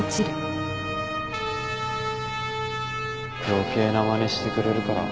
余計なまねしてくれるから。